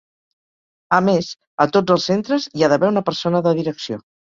A més, a tots els centres hi ha d’haver una persona de direcció.